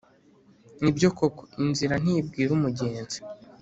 nibyo koko inzira ntibwira umugenzi